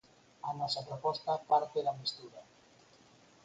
A nosa proposta parte da mestura.